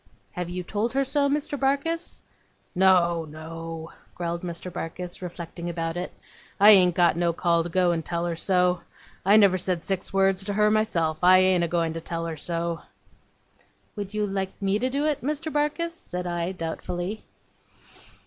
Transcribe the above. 'Have you told her so, Mr. Barkis?' 'No no,' growled Mr. Barkis, reflecting about it. 'I ain't got no call to go and tell her so. I never said six words to her myself, I ain't a goin' to tell her so.' 'Would you like me to do it, Mr. Barkis?' said I, doubtfully.